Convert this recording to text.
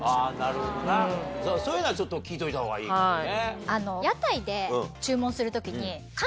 なるほどなそういうのはちょっと聞いといた方がいいかもね。